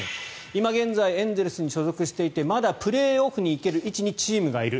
今現在エンゼルスに所属していてまだプレーオフに行ける位置にチームがいる。